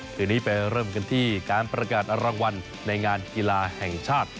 คืนนี้ไปเริ่มกันที่การประกาศรางวัลในงานกีฬาแห่งชาติ